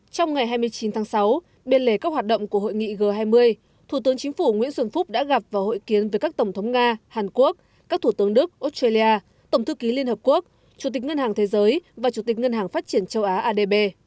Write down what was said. trong ngày hai mươi chín tháng sáu biên lề các hoạt động của hội nghị g hai mươi thủ tướng chính phủ nguyễn xuân phúc đã gặp và hội kiến với các tổng thống nga hàn quốc các thủ tướng đức australia tổng thư ký liên hợp quốc chủ tịch ngân hàng thế giới và chủ tịch ngân hàng phát triển châu á adb